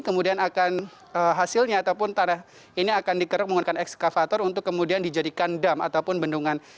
kemudian akan hasilnya ataupun tanah ini akan dikeruk menggunakan ekskavator untuk kemudian dijadikan dam ataupun bendungan